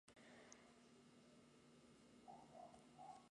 Escolapios de Monforte de Lemos.